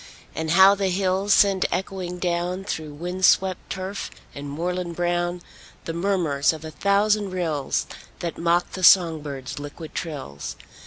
And how the hills send echoing down, Through wind swept turf and moorland brown, The murmurs of a thousand rills That mock the song birds' liquid trills!